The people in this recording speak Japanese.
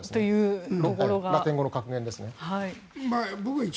ラテン語の格言ですね。